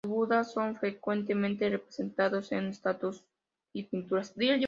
Los budas son frecuentemente representados en estatuas y pinturas.